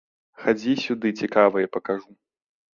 Хадзі сюды, цікавае пакажу.